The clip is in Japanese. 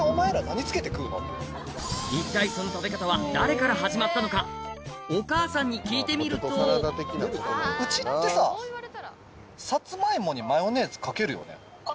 一体その食べ方は誰から始まったのかお母さんに聞いてみるとうちってさサツマイモにマヨネーズかけるよね？